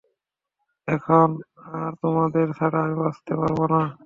এখন আর তোমাদের ছাড়া আমি বাঁচতে পারব না।